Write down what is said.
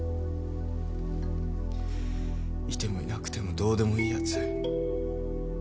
いてもいなくてもどうでもいい奴。